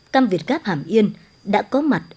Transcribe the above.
cam việt gáp hàm yên đã có mặt